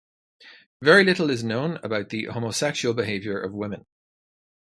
Very little is known about the homosexual behaviour of women.